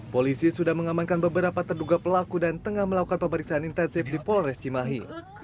polisi sudah mengamankan beberapa terduga pelaku dan tengah melakukan pemeriksaan intensif di polres cimahi